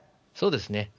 そうですね。